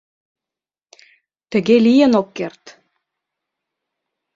Тыге лийын ок керт.